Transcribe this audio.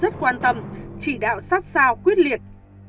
rất quan tâm chỉ đạo sát sao quyết liệt